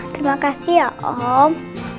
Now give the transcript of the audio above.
terima kasih ya om